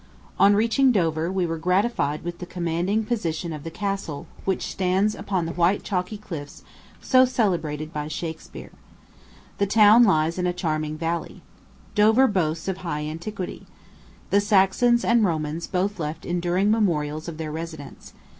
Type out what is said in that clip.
On reaching Dover, we were gratified with the commanding position of the castle, which stands upon the white chalky cliffs so celebrated by Shakspeare. The town lies in a charming valley. Dover boasts of high antiquity. The Saxons and Romans both left enduring memorials of their residence.